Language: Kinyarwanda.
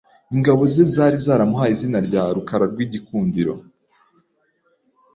ingabo ze zari zaramuhaye izina rya “Rukara rw’Igikundiro